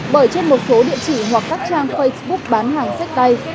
bởi trên một số địa chỉ hoặc các trang facebook bán hàng sách tay